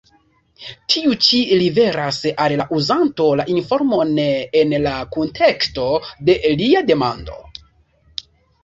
Tiu ĉi liveras al la uzanto la informon en la kunteksto de lia demando.